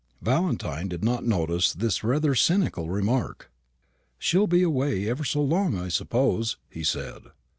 Valentine did not notice this rather cynical remark. "She'll be away ever so long, I suppose?" he said.